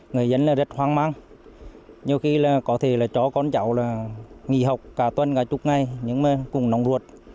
người dân là rất hoang mang nhiều khi là có thể là cho con cháu là nghỉ học cả tuần cả chục ngày nhưng mà cũng nóng ruột